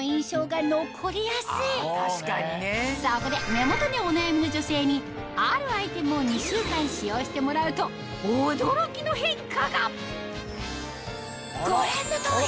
そこで目元にお悩みの女性にあるアイテムを２週間使用してもらうと驚きの変化がご覧の通り！